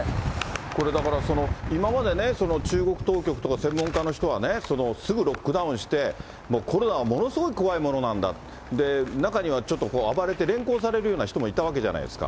これだから、今までね、中国当局とか専門家の人はね、すぐロックダウンして、コロナはものすごい怖いものなんだ、中にはちょっと暴れて連行されるような人もいたわけじゃないですか。